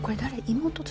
妹と。